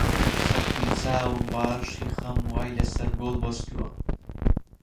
سەقفی چاوم باڕشی خەم وای لە سەر گۆل بەستووە